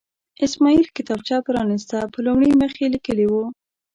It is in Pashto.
اسماعیل کتابچه پرانسته، په لومړي مخ یې لیکلي وو.